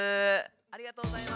ありがとうございます。